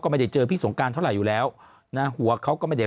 ไม่ได้เจอพี่สงการเท่าไหร่อยู่แล้วนะหัวเขาก็ไม่ได้